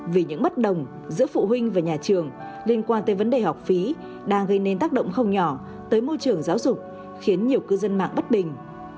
vì những bất đồng giữa phụ huynh và nhà trường liên quan tới vấn đề học phí đang gây nên tác động không nhỏ tới môi trường giáo dục khiến nhiều cư dân mạng bất bình